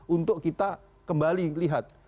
untuk kita kembali lihat